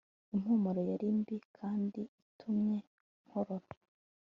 impumuro yari mbi kandi itumye nkorora